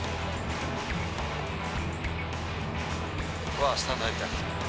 わー、スタンド入った。